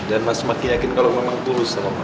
dan mas makin yakin kalau memang tulus sama mas